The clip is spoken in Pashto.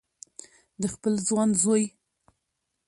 د خپل ځوان زوی